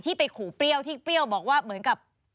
ไปขู่เปรี้ยวที่เปรี้ยวบอกว่าเหมือนกับ